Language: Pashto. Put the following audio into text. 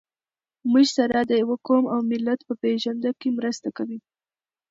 موږ سره د يوه قوم او ملت په پېژنده کې مرسته کوي.